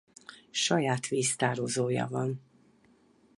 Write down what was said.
Saját víztározója van.